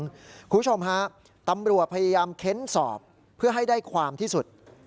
คุณผู้ชมฮะตำรวจพยายามเค้นสอบเพื่อให้ได้ความที่สุด